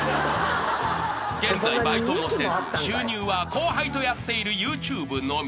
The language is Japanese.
［現在バイトもせず収入は後輩とやっているＹｏｕＴｕｂｅのみ］